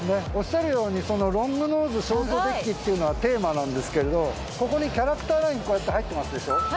おっしゃるようにロングノーズショートデッキっていうのはテーマなんですけれどここにキャラクターラインこうやって入ってますでしょ。